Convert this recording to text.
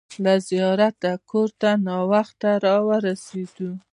له زیارته کور ته ناوخته راورسېدو.